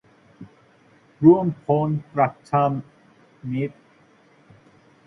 รวมผลประชามติ การยกเลิกสถาบันกษัตริย์ และ การนำสถาบันกษัตริย์กลับมา ทั่วโลก